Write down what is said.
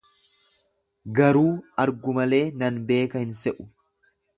Garuu argu malee nan beeka hin se'u.